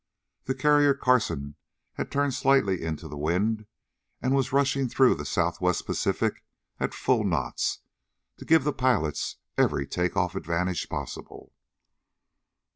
The Carrier Carson had turned slightly into the wind and was rushing through the Southwest Pacific at full knots to give the pilots every take off advantage possible.